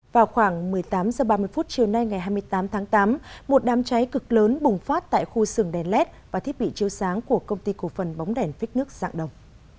vào khoảng một mươi tám h ba mươi chiều nay ngày hai mươi tám tháng tám một đám cháy cực lớn bùng phát tại khu sừng đèn led và thiết bị chiếu sáng của công ty cổ phần bóng đèn phích nước dạng đồng